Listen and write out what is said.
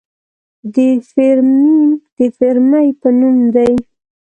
د فیرمیم د فیرمي په نوم دی.